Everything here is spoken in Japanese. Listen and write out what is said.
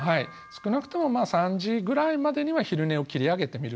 少なくとも３時ぐらいまでには昼寝を切り上げてみるというのも。